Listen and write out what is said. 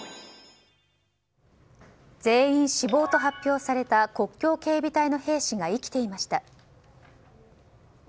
全員死亡と発表された国境警備隊の兵士が生きていました。